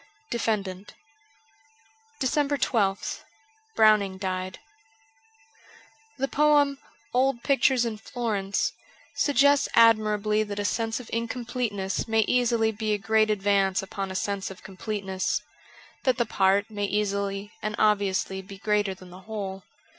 'Defendant.' 383 DECEMBER 12th BROWNING DIED THE poem, * Old Pictures in Florence,' suggests admirably that a sense of incompleteness may easily be a great advance upon a sense of completeness : that the part may easily and obviously be greater than the whole.